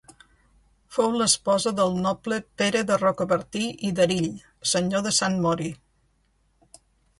Fou l'esposa del noble Pere de Rocabertí i d'Erill, senyor de Sant Mori.